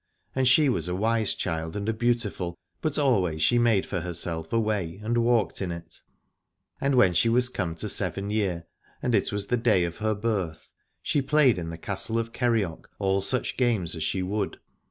And she was a wise child and a beautiful, but always she made for herself a way and walked in it. And when she was come to seven year, and it was the day of her birth, she played in the Castle of Kerioc all such games as she would.